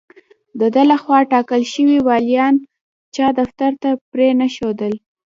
د ده له خوا ټاکل شوي والیان چا دفتر ته پرې نه ښودل.